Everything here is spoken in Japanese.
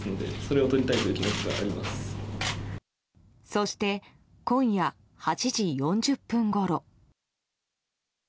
そして、今夜８時４０分ごろ。